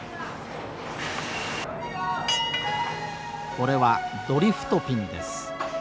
これはドリフト・ピンです。